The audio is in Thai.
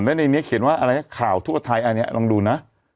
แล้วในนี้เขียนว่าอะไรข่าวทั่วไทยอันนี้ลองดูนะ